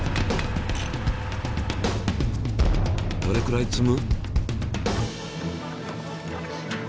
どれくらい積む？